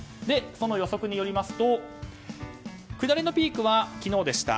その予測によりますと下りのピークは昨日でした。